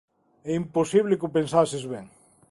É imposible que o pensases ben.